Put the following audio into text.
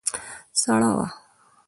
سړه وه.